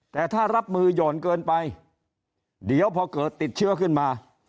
แต่ถ้ารับมือหย่อนเกินไปเดี๋ยวพอเกิดติดเชื้อขึ้นมา